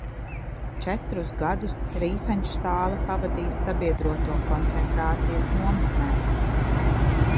Četrus gadus Rīfenštāle pavadīja sabiedroto koncentrācijas nometnēs.